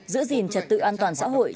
giữ gìn trật tự an toàn xã hội